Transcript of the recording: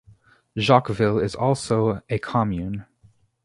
Jacqueville is also a commune.